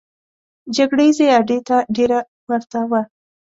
جګړه ییزې اډې ته ډېره ورته وه.